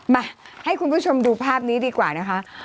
มาให้คุณผู้ชมดูภาพนี้ดีกว่านะคะ